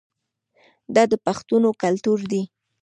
دا د پښتنو کلتور دی.